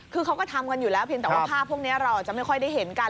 คือเขาก็ทำกันอยู่แล้วเพียงแต่ว่าภาพพวกนี้เราจะไม่ค่อยได้เห็นกัน